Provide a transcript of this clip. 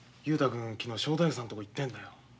君昨日正太夫さんとこ行ってるんだよ。